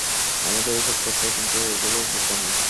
আমাদের এসব করতে হয়, কিন্তু এগুলো বোকামি।